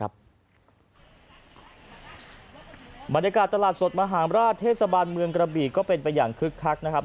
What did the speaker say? บรรยากาศตลาดสดมหาราชเทศบาลเมืองกระบีก็เป็นไปอย่างคึกคักนะครับ